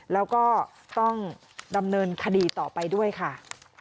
แล้วก็ต้องดำเนินคดีต่อไปด้วยค่ะ